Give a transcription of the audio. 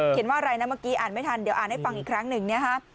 ว่าอะไรนะเมื่อกี้อ่านไม่ทันเดี๋ยวอ่านให้ฟังอีกครั้งหนึ่งนะฮะ